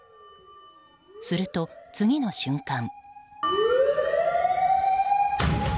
すると、次の瞬間。